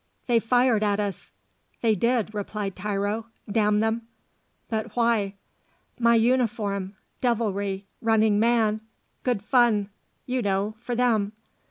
"They fired at us." "They did," replied Tiro. "Damn them!" "But why?" "My uniform devilry running man good fun, you know for them."